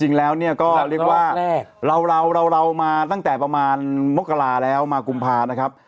เราเรียกว่าเรามาตั้งแต่ประมาณมกราแล้วมากุมภานะครับ